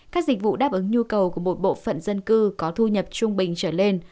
các dịch vụ đáp ứng nhu cầu của một bộ phận dân cư có thu nhập trung bình trở lên